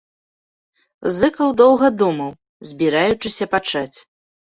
Зыкаў доўга думаў, збіраючыся пачаць.